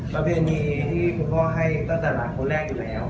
แต่จริงคือคุณพ่อก็ให้อันตราหลังคนแรกอยู่แล้ว